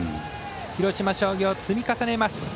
広島商業、積み重ねます。